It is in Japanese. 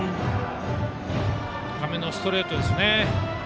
高めのストレートですね。